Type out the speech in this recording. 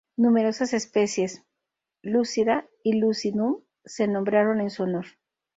Numerosas especies "lucida", y "lucidum" se nombraron en su honor.